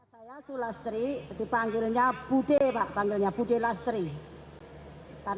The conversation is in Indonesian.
saya sulastri dipanggilnya budelastri